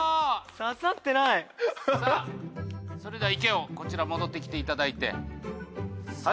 さあそれではイケ王こちら戻ってきていただいて。